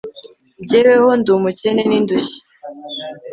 jyeweho, ndi umukene n'indushyi